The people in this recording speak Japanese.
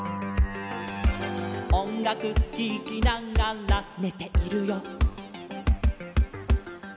「おんがくききながらねているよ」